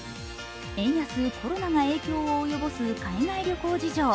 円安、コロナが影響を及ぼす海外旅行事情。